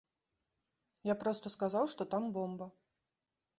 Я проста сказаў, што там бомба.